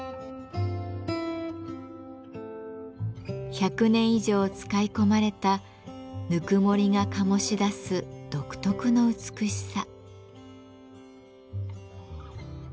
１００年以上使い込まれたぬくもりが醸し出す独特の美しさ。